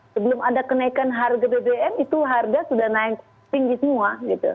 sebelum ada kenaikan harga bbm itu harga sudah naik tinggi semua